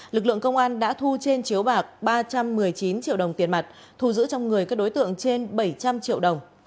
lực lượng công an đã thu trên chiếu bạc ba trăm một mươi chín triệu đồng tiền mặt thu giữ trong người các đối tượng trên bảy trăm linh triệu đồng